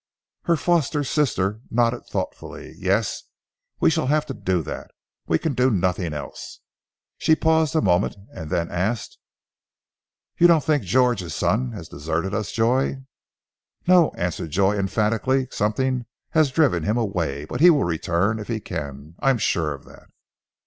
Her foster sister nodded thoughtfully. "Yes, we shall have to do that. We can do nothing else." She paused a moment and then asked, "You don't think George's son has deserted us, Joy?" "No!" answered Joy emphatically. "Something has driven him away. But he will return if he can. I am sure of that!"